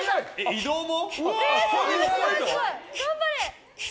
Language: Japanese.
移動も？